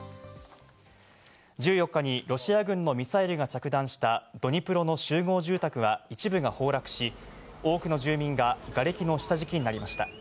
１４日にロシア軍のミサイルが着弾したドニプロの集合住宅は一部が崩落し、多くの住民ががれきの下敷きになりました。